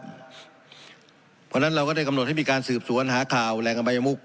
เพราะฉะนั้นเราก็ได้กำหนดให้มีการสืบสวนหาข่าวแหล่งอบายมุก